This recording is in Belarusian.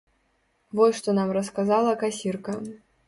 Вось што нам расказала касірка.